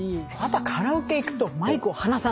カラオケ行くとマイクを離さない。